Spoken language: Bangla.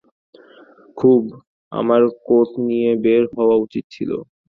খুব, আমার কোট নিয়ে বের হওয়া উচিত ছিল।